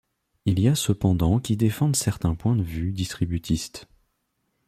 Il y a cependant qui défendent certains points de vue distributistes.